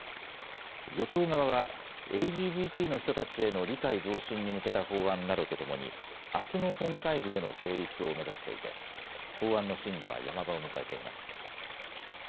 与党側はＬＧＢＴの人たちへの理解増進に向けた法案などとともにあすの本会議での成立を目指していて法案の審議はヤマ場を迎えています。